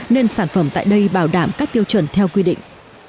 nên sản phẩm tại đây bảo đảm các tiêu chuẩn theo quy định